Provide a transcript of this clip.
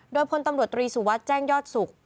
โดยพลตำรวจตรีสุวัสดิ์แจ้งยอดศุกร์